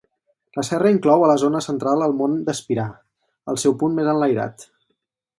La serra inclou a la zona central el Mont d'Espirà, el seu punt més enlairat.